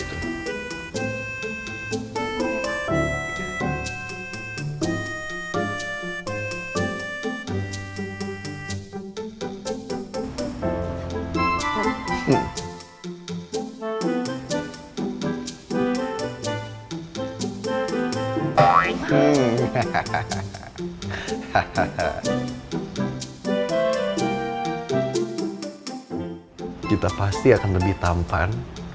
kita pasti akan lebih tampan